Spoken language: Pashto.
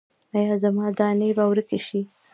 ایا زما دانې به ورکې شي؟